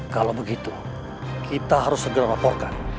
kalau begitu kita harus segera laporkan